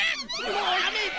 もうやめて！